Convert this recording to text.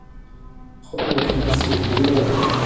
trente-neuf BIS rue Bellanger